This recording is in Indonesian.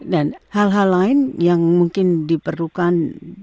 dan hal hal lain yang mungkin diperlukan